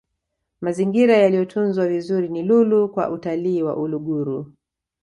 mazingira yaliyotunzwa vizuri ni lulu kwa utalii wa uluguru